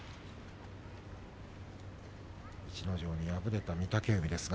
逸ノ城に敗れた御嶽海ですが。